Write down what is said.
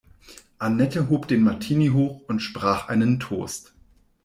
Annette hob den Martini hoch und sprach einen Toast.